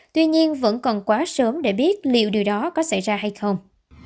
tuy nhiên vẫn còn quá sớm để biết liệu điều đó có xảy ra hay không